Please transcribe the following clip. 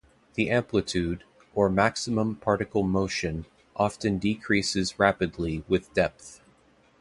The amplitude, or maximum particle motion, often decreases rapidly with depth.